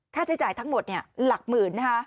ค่าใช้จ่ายทั้งหมดหลักหมื่นนะคะ